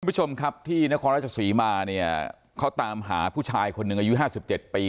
คุณผู้ชมครับที่นครราชศรีมาเนี่ยเขาตามหาผู้ชายคนหนึ่งอายุห้าสิบเจ็ดปี